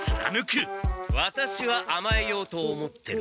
ワタシはあまえようと思ってる。